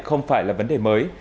không phải là vấn đề mở